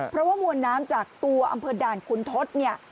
เพราะว่ามวลน้ำจากตัวอำเภอด่านคุณทศเนี่ย